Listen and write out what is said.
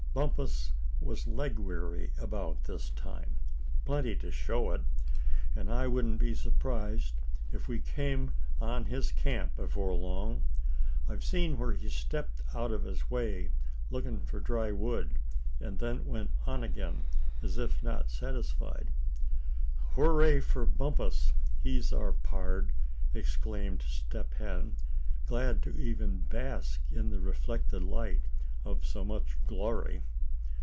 "Bumpus was leg weary about this time. Plenty to show it. And I wouldn't be surprised if we came on his camp before long. I've seen where he stepped out of his way, looking for dry wood, and then went on again, as if not satisfied." "Hurrah for Bumpus! He's our pard;" exclaimed Step Hen, glad to even bask in the reflected light of so much glory.